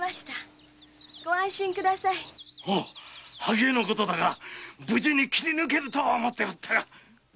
萩絵のことゆえ無事に切り抜けるとは思っていたが。